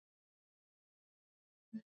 دا مکالمه د ازادې ارادې مفهوم لري.